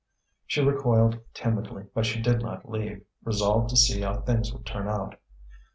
She recoiled timidly but she did not leave, resolved to see how things would turn out.